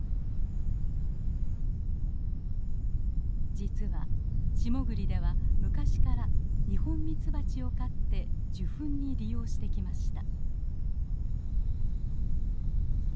実は下栗では昔からニホンミツバチを飼って受粉に利用してきました。